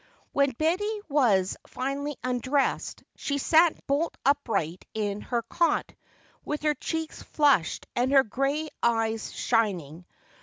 When Betty was finally undressed, she sat bolt upright in her cot with her cheeks flushed and her gray eyes shining.